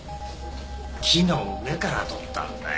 木の上から撮ったんだよ